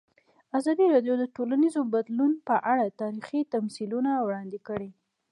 ازادي راډیو د ټولنیز بدلون په اړه تاریخي تمثیلونه وړاندې کړي.